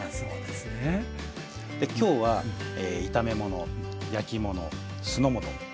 できょうは炒め物焼き物酢の物